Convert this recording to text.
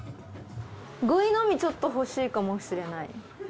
ぐい飲みちょっと欲しいかもしれない。